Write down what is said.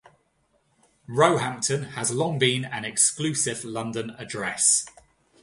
Roehampton has long been an exclusive London address.